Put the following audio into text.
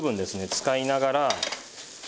使いながら。